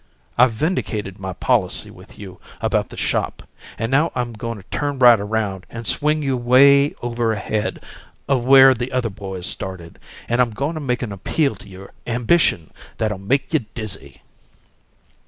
I've vindicated my policy with you about the shop, and now I'm goin' to turn right around and swing you 'way over ahead of where the other boys started, and I'm goin' to make an appeal to your ambition that'll make you dizzy!"